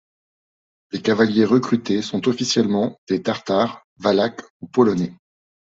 Les cavaliers recrutés sont, officiellement, des Tartares, Valaques ou Polonais.